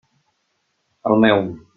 El meu.